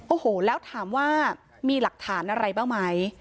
โอ้โหแล้วถามว่ามีหลักฐานอะไรบ้างไหม